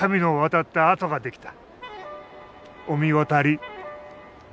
御神渡り。